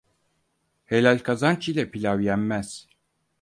Helal kazanç ile pilav yenmez.